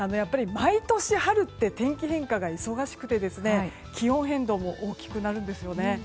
毎年春って天気変化が忙しくて気温変動も大きくなるんですよ。